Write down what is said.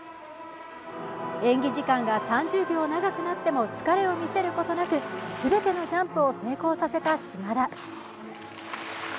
演技時間が３０秒長くなっても疲れを見せることなく全てのジャンプを成功させた島田。